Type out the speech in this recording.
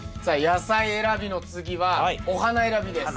野菜選びの次はお花選びです。